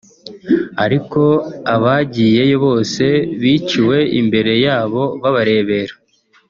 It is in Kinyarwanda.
ariko abagiyeyo bose biciwe imbere yabo babarebera